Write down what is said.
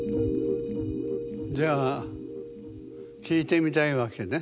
じゃあ聞いてみたいわけね？